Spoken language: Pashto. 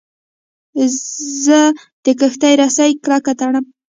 زه د کښتۍ رسۍ کلکه تړم.